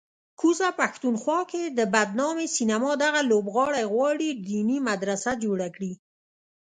کوزه پښتونخوا کې د بدنامې سینما دغه لوبغاړی غواړي دیني مدرسه جوړه کړي